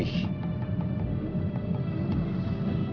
yang bikin papa marah sedih